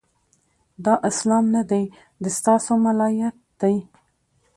دا اسلام نه دی، د ستا سو ملایت دی